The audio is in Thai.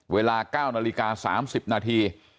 เวลา๙นาฬิกา๓๐นาที